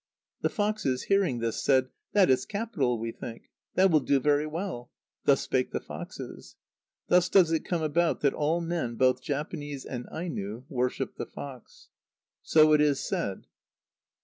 The foxes, hearing this, said: "That is capital, we think. That will do very well." Thus spake the foxes. Thus does it come about that all men, both Japanese and Aino, worship the fox. So it is said.